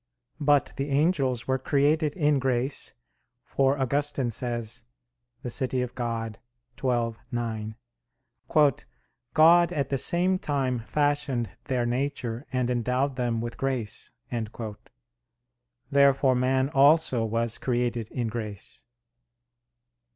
But the angels were created in grace, for Augustine says (De Civ. Dei xii, 9): "God at the same time fashioned their nature and endowed them with grace." Therefore man also was created in grace.